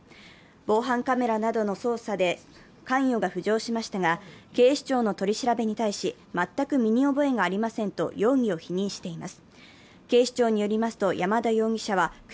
防犯カメラなどの捜査で関与が浮上しましたが警視庁の取り調べに対し、全く身に覚えがありませんと容疑を否認しています。